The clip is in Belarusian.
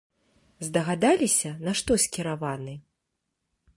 Здагадаліся, на што скіраваны?